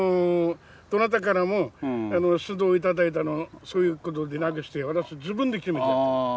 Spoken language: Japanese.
どなたからも指導頂いたのそういうことでなくして私自分で決めた。